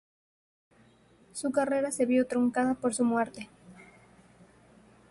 Su carrera se vio truncada por su muerte.